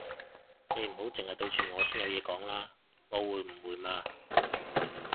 你唔好剩係對住我先有嘢講啦，我會誤會嘛